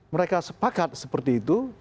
mereka sepakat seperti itu